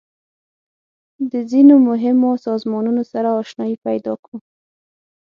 د ځینو مهمو سازمانونو سره آشنایي پیدا کوو.